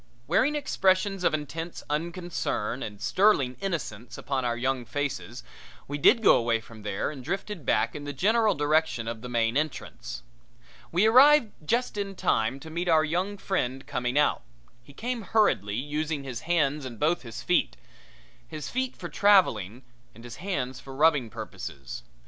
Wearing expressions of intense unconcern and sterling innocence upon our young faces we did go away from there and drifted back in the general direction of the main entrance. We arrived just in time to meet our young friend coming out. He came hurriedly, using his hands and his feet both, his feet for traveling and his hands for rubbing purposes.